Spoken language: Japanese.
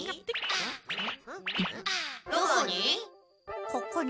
どこに？